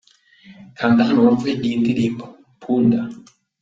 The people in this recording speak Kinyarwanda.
Kanda hano wumve iyi ndirimbo 'Punda' .